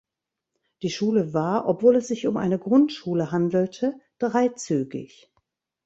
Die Schule war, obwohl es sich um eine Grundschule handelte, dreizügig.